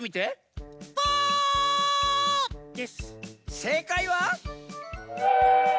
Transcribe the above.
せいかいは？